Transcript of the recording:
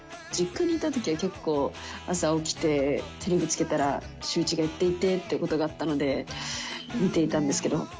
実家にいたときは結構、朝起きて、テレビつけたらシューイチがやっていてということがあったので見ていたんですけど。